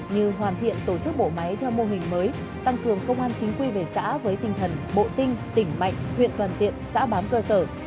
như hoàn thiện tổ chức bộ máy theo mô hình mới tăng cường công an chính quy về xã với tinh thần bộ tinh tỉnh mạnh huyện toàn diện xã bám cơ sở